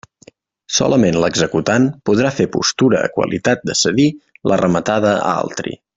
Solament l'executant podrà fer postura a qualitat de cedir la rematada a altri.